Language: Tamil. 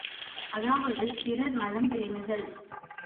அதாவது பிறர் நலம் பேணுதல்.